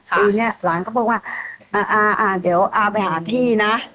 ปีนี้หลานก็บอกว่าอ่าเดี๋ยวไปหาที่นะ